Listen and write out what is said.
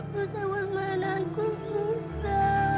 bisa bermainanku bisa